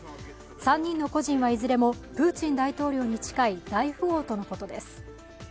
３人の個人はいずれもプーチン大統領に近い大富豪とのことです。